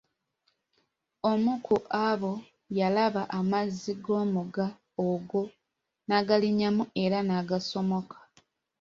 Omu ku abo yalaba amazzi g'omugga ogwo, n'agalinnyamu era n'agasomoka.